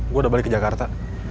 gue udah balik ke jakarta